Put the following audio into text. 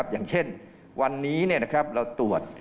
อย่างเช่นวันนี้เราตรวจ